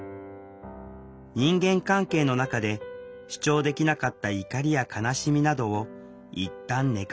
人間関係の中で主張できなかった怒りや悲しみなどをいったん寝かせる。